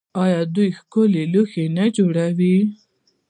آیا دوی ښکلي لوښي نه جوړوي؟